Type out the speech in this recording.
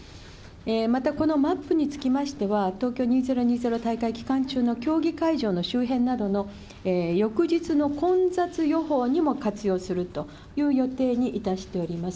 またこのマップにつきましては、東京２０２０大会期間中の競技会場の周辺などの翌日の混雑予報にも活用するという予定にいたしております。